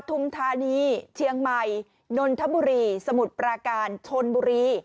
ทุมธานีเชียงใหม่นนทบุรีสมุทรปราการชนบุรี